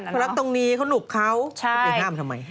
เพราะรับตรงนี้เขาหนูกเขาแต่ห้ามทำไม